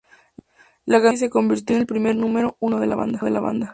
La canción "Ruby" se convirtió en el primer número uno de la banda.